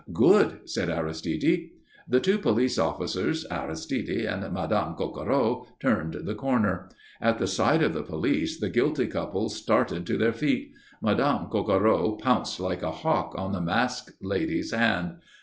"Good," said Aristide. The two police officers, Aristide and Madame Coquereau turned the corner. At the sight of the police the guilty couple started to their feet. Madame Coquereau pounced like a hawk on the masked lady's hand.